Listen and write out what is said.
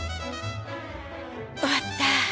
終わった。